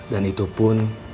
dan itu pun